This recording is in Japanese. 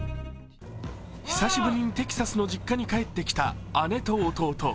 久しぶりのテキサスの実家に帰って来た姉と弟と。